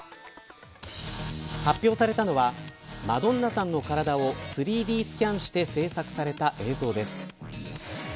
発表されたのはマドンナさんの体を３Ｄスキャンして制作された映像です。